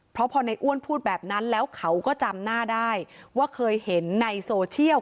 เพราะพอในอ้วนพูดแบบนั้นแล้วเขาก็จำหน้าได้ว่าเคยเห็นในโซเชียล